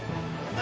何？